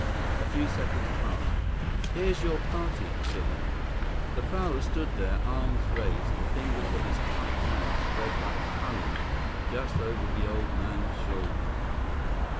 A few seconds passed. "Here's your party, sir." The prowler stood there, arms raised, the fingers of his cupped hands spread like talons just over the old man's shoulders.